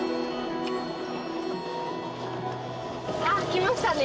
ああきましたね。